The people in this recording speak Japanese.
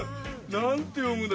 何て読むの？